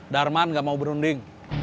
darman enggak mau berunding